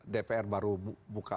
dpr baru buka